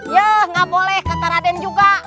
yah gak boleh kata raden juga